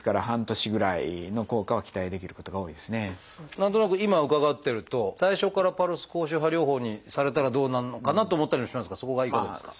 何となく今伺ってると最初からパルス高周波療法にされたらどうなのかなと思ったりもしますがそこはいかがですか？